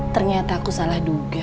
ternyata aku salah duga